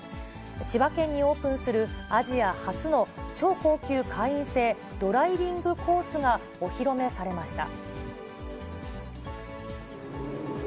千葉県にオープンする、アジア初の超高級会員制ドライビングコースがお披露目されました。